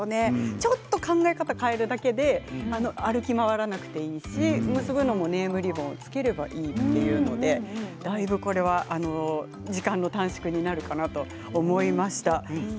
ちょっと考え方を変えるだけで歩き回らなくていいし結ぶのもネームリボンをつければいいというのでだいぶ、これは時間の短縮になるかなと思いました。